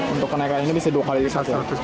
untuk kenaikan ini bisa dua kali lipat